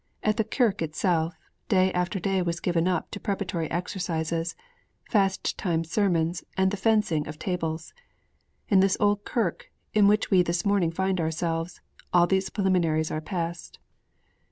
At the kirk itself, day after day was given up to preparatory exercises, fast time sermons and the fencing of tables. In this old kirk, in which we this morning find ourselves, all these preliminaries are past.